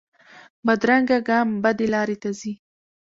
بدرنګه ګام بدې لارې ته ځي